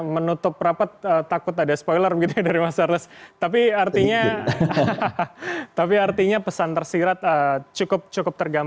menutup rapat takut ada spoiler gitu dari mas arles tapi artinya tapi artinya pesan tersirat cukup